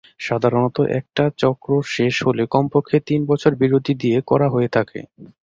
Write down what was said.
সাধারণত একটা চক্র শেষ হলে কমপক্ষে তিন বছর বিরতি দিয়ে করা হয়ে থাকে।